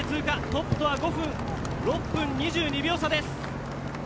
トップとは６分２２秒差です。